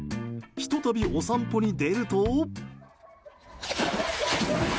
ひと度、お散歩に出ると。